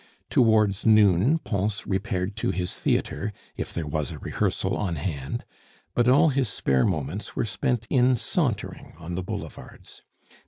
Towards noon Pons repaired to his theatre, if there was a rehearsal on hand; but all his spare moments were spent in sauntering on the boulevards.